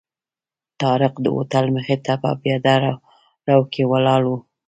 طارق د هوټل مخې ته په پیاده رو کې ولاړ و.